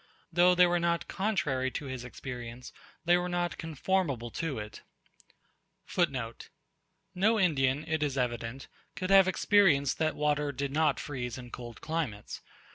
Though they were not contrary to his experience, they were not conformable to it. No Indian, it is evident, could have experience that water did not freeze in cold climates.